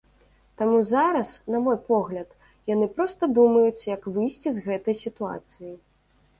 Таму зараз, на мой погляд, яны проста думаюць, як выйсці з гэтай сітуацыі.